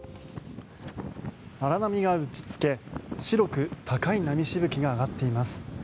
荒波が打ちつけ白く高い波しぶきが上がっています。